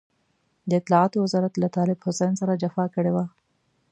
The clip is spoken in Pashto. د اطلاعاتو وزارت له طالب حسين سره جفا کړې وه.